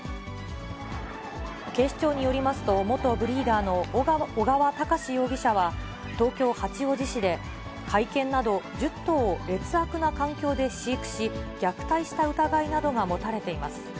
警視庁によりますと、元ブリーダーの尾川隆容疑者は、東京・八王子市で、甲斐犬など１０頭を劣悪な環境で飼育し、虐待した疑いなどが持たれています。